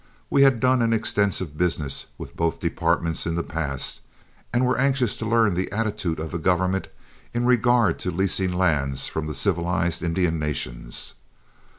We had done an extensive business with both departments in the past, and were anxious to learn the attitude of the government in regard to leasing lands from the civilized Indian nations.